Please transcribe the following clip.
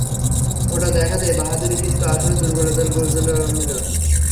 ওটা দেখাতেই বাহাদুরি, কিন্তু আসলে দুর্বলতার গোঁজামিলন।